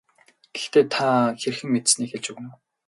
Гэхдээ та хэрхэн мэдсэнээ хэлж өгнө үү.